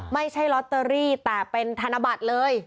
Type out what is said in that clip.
ไม่ใช่ลอตเตอรี่แต่เป็นธนบัตรเลย